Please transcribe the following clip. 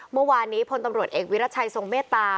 เมื่อวานนี้พลตำรวจเอกวิรัชัยทรงเมตตา